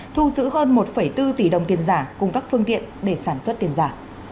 thu giữ hơn một bốn tỷ đồng tiền giả cùng các phương tiện để sản xuất tiền giả